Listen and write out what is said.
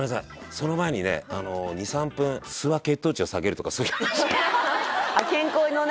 その前にね２３分酢は血糖値を下げるとかそういう話あっ健康のね